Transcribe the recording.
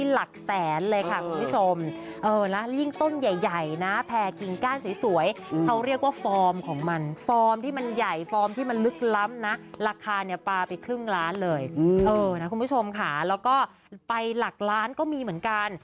หลักคาปลาไปครึ่งล้านเลยเออนะคุณผู้ชมค่ะแล้วก็ไปหลักล้านก็มีเหมือนกัน